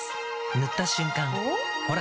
塗った瞬間おっ？